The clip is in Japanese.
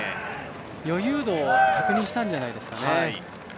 余裕度を確認したんじゃないですかね。